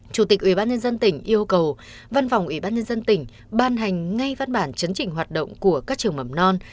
chủ tịch ubnd tỉnh yêu cầu văn phòng ubnd tỉnh ban hành ngay văn bản chấn trình hoạt động của các trường mầm non